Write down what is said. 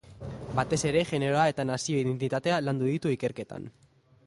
Batez ere generoa eta nazio identitatea landu ditu ikerketan.